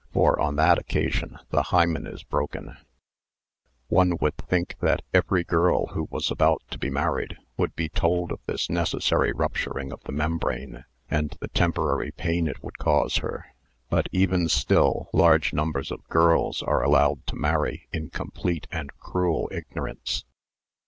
For ' on that occasion the hymen is broken. One would ', 48 Married Love think that every girl who was about to be married would be told of this necessary rupturing of the mem brane and the temporary pain it would cause her; but even still large numbers of girls are allowed to marry in complete and cruel ignorance.